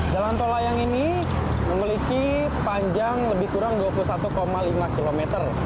jalan tol layang ini memiliki panjang lebih kurang dua puluh satu lima km